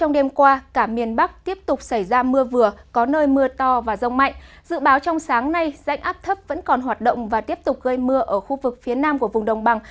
dự báo trong sáng nay dãnh áp thấp vẫn còn hoạt động và tiếp tục gây mưa ở khu vực phía nam của vùng đồng bằng